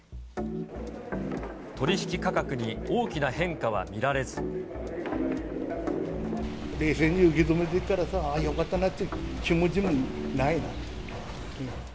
取り引き価格に大きな変化は冷静に受け止めてるからさ、あー、よかったなって気持ちもないな。